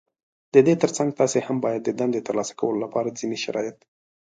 د دې تر څنګ تاسې هم بايد د دندې ترلاسه کولو لپاره ځينې شرايط